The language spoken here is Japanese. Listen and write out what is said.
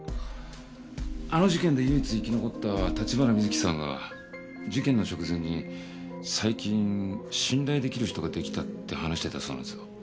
あの事件で唯一生き残った橘水樹さんが事件の直前に「最近信頼できる人ができた」って話してたそうなんですよ。